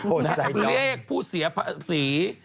โอ้โฮใส่เดิมเลขผู้เสียภาษี